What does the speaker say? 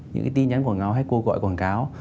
những tin nhắn quảng ngáo hay cuộc gọi quảng cáo